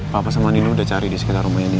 papa sama nini udah cari di sekitar rumah ini